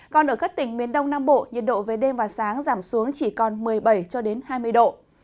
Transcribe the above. còn ở các tỉnh miền đông nam bộ nhiệt độ về đêm và sáng giảm xuống chỉ còn một mươi bảy cho đến hai mươi độ